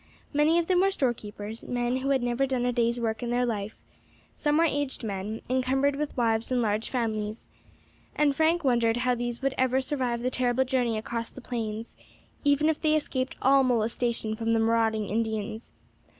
Many of them were storekeepers, men who had never done a day's work in their life; some were aged men, encumbered with wives and large families, and Frank wondered how these would ever survive the terrible journey across the plains, even if they escaped all molestation from the marauding Indians.